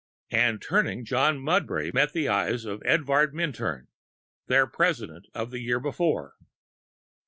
And, turning, John Mudbury met the eyes of Everard Minturn, their President of the year before.